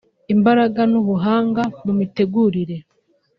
imbaraga n’ubuhanga mu mitegurire